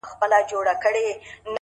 راسه چي زړه ښه درته خالي كـړمـه.!